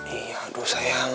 iya aduh sayang